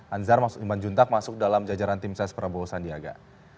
anzar iman juntak masuk dalam jajaran tim ses prabowo sandiaga